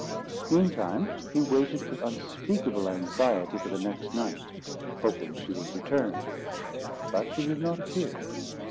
Meantime he waited with unspeakable anxiety for the next night, hoping she would return: but she did not appear.